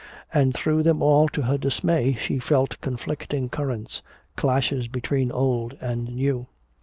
And through them all to her dismay she felt conflicting currents, clashes between old and new.